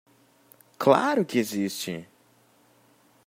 Claro que existe!